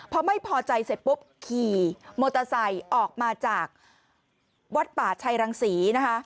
พอไม่พอใจเสร็จปุ๊บขี่มอเตอร์ไซค์ออกมาจากวัดป่าชัยรังศรีนะคะ